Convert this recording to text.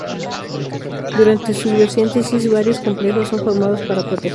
Durante su biosíntesis, varios complejos son formados para protegerla.